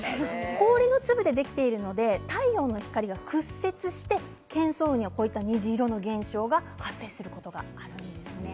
氷の粒でできているので太陽の光が屈折して巻層雲には虹色の現象が発生することがあるんですね。